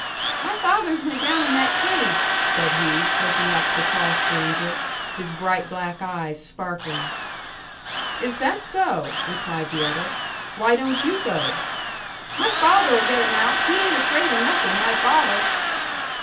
"My father's went down in that cage," said he, looking up at the tall stranger, his bright black eyes sparkling. "Is that so!" replied the other. "Why don't you go?" "My father'll get 'em out. He ain't afraid o' nothin', my father!"